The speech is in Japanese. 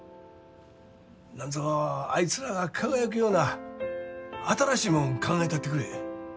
なんぞあいつらが輝くような新しいもん考えたってくれ。